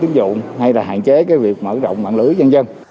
tính dụng hay là hạn chế cái việc mở rộng mạng lưới dân dân